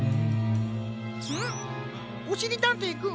おしりたんていくん